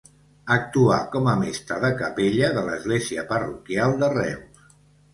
Actuà com a mestre de capella de l'església parroquial de Reus.